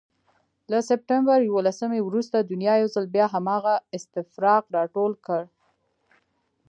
له سپتمبر یوولسمې وروسته دنیا یو ځل بیا هماغه استفراق راټول کړ.